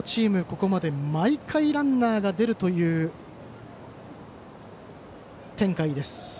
ここまで毎回ランナーが出る展開です。